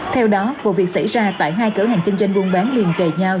theo đó vụ việc xảy ra tại hai cửa hàng kinh doanh buôn bán liền kề nhau